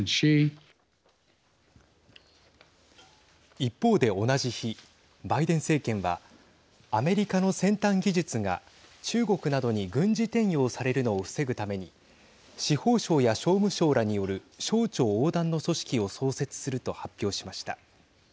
一方で同じ日バイデン政権はアメリカの先端技術が中国などに軍事転用されるのを防ぐために司法省や商務省らによる省庁横断の組織を創設すると発表しました。